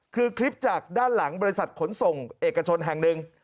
คือคลิปจากด้านหลังบริษัทขนส่งเอกชนแห่งหนึ่ง